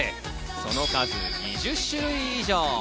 その数、２０種類以上。